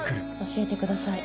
教えてください